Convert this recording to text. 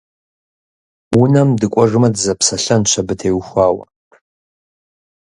Унэм дыкӏуэжмэ, дызэпсэлъэнщ абы теухуауэ.